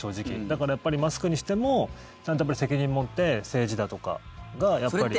だからマスクにしてもちゃんと責任を持って政治だとかが、やっぱり。